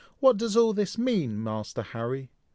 "What does all this mean, Master Harry?"